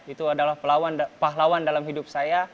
itu adalah pahlawan dalam hidup saya